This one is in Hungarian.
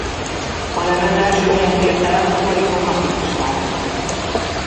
A lemez első helyet ért el az Oricon napi listáján.